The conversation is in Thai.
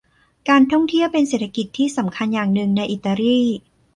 การท่องเที่ยวเป็นเศรษกิจทีสำคัญอย่างหนึ่งในอิตาลี